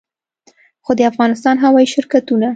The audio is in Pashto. خو د افغانستان هوايي شرکتونه